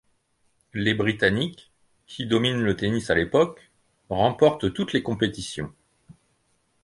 Les Britanniques, qui dominent le tennis à l'époque, remportent toutes les compétitions.